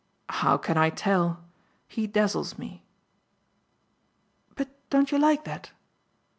"How can I tell? He dazzles me." "But don't you like that?"